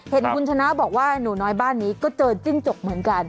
เห็นคุณชนะบอกว่าหนูน้อยบ้านนี้ก็เจอจิ้งจกเหมือนกัน